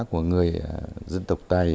của người dân tộc tày